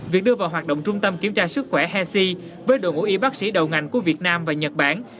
việc đưa vào hoạt động trung tâm kiểm tra sức khỏe hensey với đội ngũ y bác sĩ đầu ngành của việt nam và nhật bản